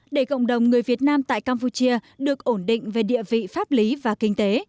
để cộng đồng người việt nam tại campuchia được ổn định về địa vị pháp lý và kinh tế